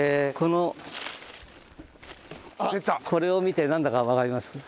このこれを見てなんだかわかります？